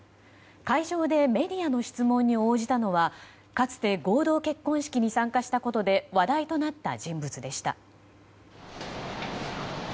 会場でメディアの質問に応じたのはかつて、合同結婚式に参加したことで話題となった人物でした。